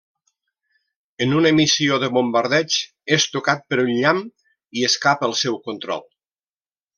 En una missió de bombardeig, és tocat per un llamp i escapa al seu control.